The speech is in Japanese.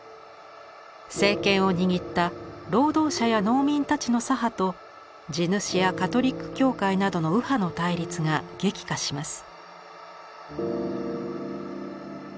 政権を握った労働者や農民たちの左派と地主やカトリック教会などの右派の対立が激化します。